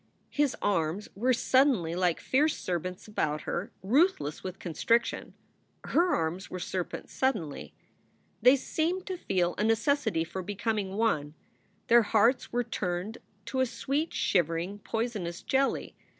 His arms were suddenly like fierce serpents about her, ruthless with constriction. Her arms were serpents suddenly. They seemed to feel a necessity for becoming one; their hearts were turned to a sweet, shivering, poisonous jelly.